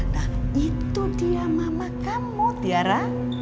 nah itu dia mama kamu tiara